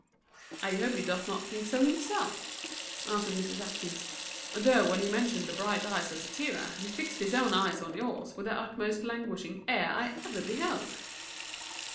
"I hope he doth not think so himself," answered Mrs. Atkinson; "though, when he mentioned the bright eyes of Statira, he fixed his own eyes on yours with the most languishing air I ever beheld."